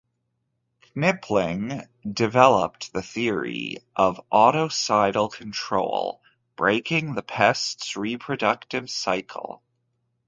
Knipling developed the theory of autocidal control - breaking the pest's reproductive cycle.